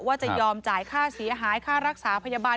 ว่าจะยอมจ่ายค่าเสียหายค่ารักษาพยาบาล